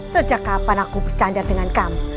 sejak kapan aku bercanda dengan kamu